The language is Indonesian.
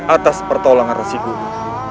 atas pertolongan resikumu